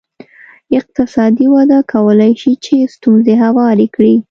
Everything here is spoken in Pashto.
اقتصادي وده کولای شي چې ستونزې هوارې کړي.